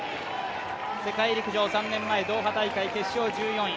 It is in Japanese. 世界陸上３年前ドーハ大会決勝１４位。